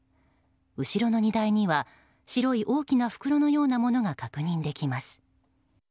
後ろの荷台には白い大きな袋のようなものが確認できます。